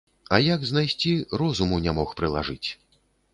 А як знайсці, розуму не мог прылажыць.